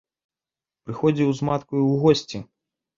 Прыходзіў з маткаю ў госці.